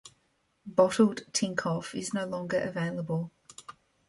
Bottled Tinkoff is no longer available.